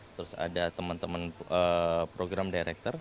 terus ada teman teman program director